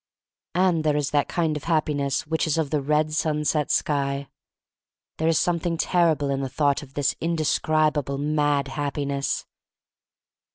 And there is that kind of happiness which is of the red sunset sky. There 43 44 THE STORY OF MARY MAC LANE IS something terrible in the thought of this indescribable mad Happiness.